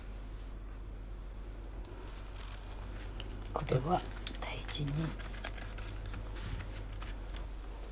これは大事に。